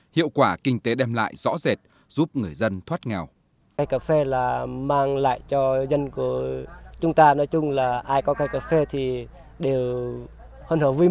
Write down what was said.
hiệu quả kinh tế đem lại rõ rệt giúp người dân thoát nghèo